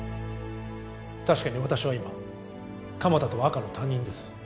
確かに私は今鎌田とは赤の他人です